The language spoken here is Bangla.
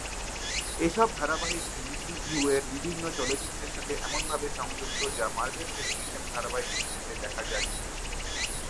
এসব ধারাবাহিক "এমসিইউ"র বিভিন্ন চলচ্চিত্রের সাথে এমনভাবে সংযুক্ত যা মার্ভেল টেলিভিশন ধারাবাহিকের ক্ষেত্রে দেখা যায়নি।